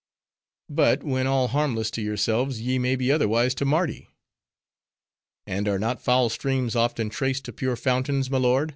"But when all harmless to yourselves, ye may be otherwise to Mardi." "And are not foul streams often traced to pure fountains, my lord?"